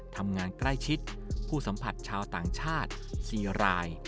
ทำงานใกล้ชิดผู้สัมผัสชาวต่างชาติ๔ราย